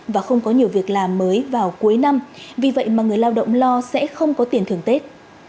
và không có nhiều việc làm mới vào cuối năm vì vậy mà người lao động lo sẽ không có tiền thưởng tết